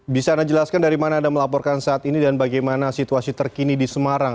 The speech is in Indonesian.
bisa anda jelaskan dari mana anda melaporkan saat ini dan bagaimana situasi terkini di semarang